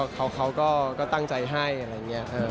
เขาก็ตั้งใจให้อะไรอย่างนี้